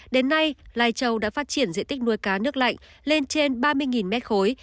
đến nay lifechâu đã phát triển diện tích nuôi cá nước lạnh lên trên ba mươi mét khối